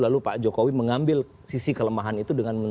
lalu pak jokowi mengambil sisi kelemahan itu dan mengambil